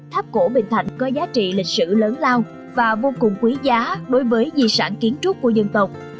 tháp cổ bình thạnh có giá trị lịch sử lớn lao và vô cùng quý giá đối với di sản kiến trúc của dân tộc